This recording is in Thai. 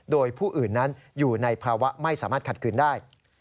โดยผู้อื่นนั้นอยู่ในภาวะไม่สามารถขัดคืนได้